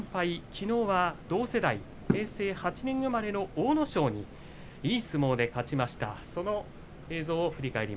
きのうは同世代平成８年生まれの阿武咲にいい相撲で勝ちました。